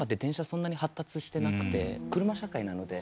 そんなに発達してなくて車社会なので。